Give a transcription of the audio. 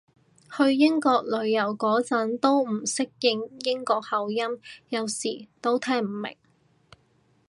去英國旅行嗰陣都唔適應英國口音，有時都聽唔明